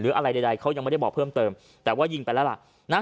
อะไรใดเขายังไม่ได้บอกเพิ่มเติมแต่ว่ายิงไปแล้วล่ะนะ